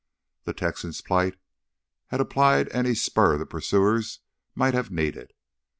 The Texan's plight had applied any spur the pursuers might have needed.